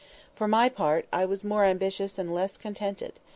For my part, I was more ambitious and less contented.